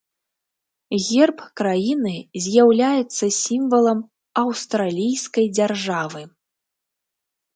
Герб краіны з'яўляецца сімвалам аўстралійскай дзяржавы.